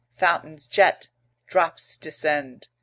Fountains jet; drops descend.